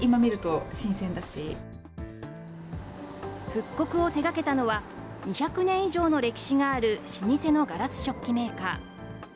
復刻を手がけたのは、２００年以上の歴史がある老舗のガラス食器メーカー。